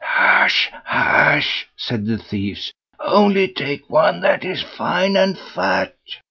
"Hush, hush!" said the thieves, "only take one that is fine and fat."